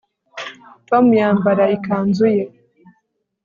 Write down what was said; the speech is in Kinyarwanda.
Tom yambara ikanzu ye